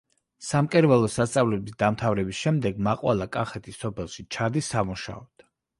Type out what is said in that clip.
სამკერვალო სასწავლებლის დამთავრების შემდეგ მაყვალა კახეთის სოფელში ჩადის სამუშაოდ.